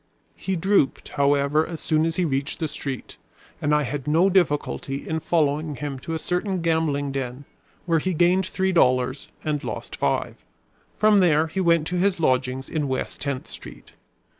He drooped, however, as soon as he reached the street, and I had no difficulty in following him to a certain gambling den where he gained three dollars and lost five. From there he went to his lodgings in West Tenth Street.